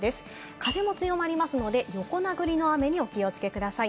風も強まりますので、横殴りの雨に、お気をつけください。